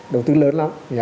đầu tư lớn lắm